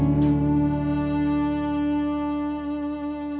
alin toch ngajakin aku ke temuan